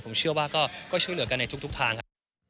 ผมเชื่อว่าก็ช่วยเหลือกันในทุกทางครับ